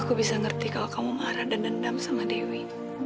aku bisa ngerti kalau kamu marah dan dendam sama dewi